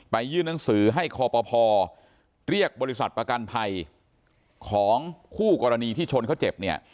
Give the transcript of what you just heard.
ยื่นหนังสือให้คอปภเรียกบริษัทประกันภัยของคู่กรณีที่ชนเขาเจ็บเนี่ย